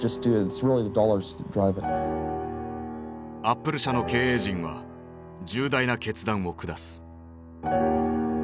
アップル社の経営陣は重大な決断を下す。